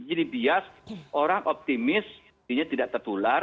jadi bias orang optimis dirinya tidak tertular